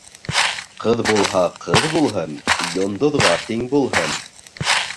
Ҡыҙ булһа, ҡыҙ булһын, йондоҙға тиң булһын.